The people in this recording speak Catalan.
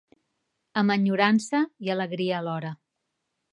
Amb enyorança i alegria alhora.